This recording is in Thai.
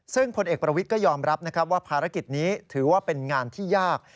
ซึ่งพลเอกประวิทย์ก็ยอมรับนะครับว่าภารกิจนี้ถือว่าเป็นงานที่ยาก